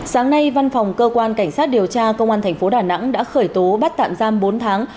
sáng nay văn phòng cơ quan cảnh sát điều tra công an thành phố đà nẵng đã khởi tố bắt tạm giam bốn tháng